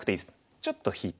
ちょっと引いて。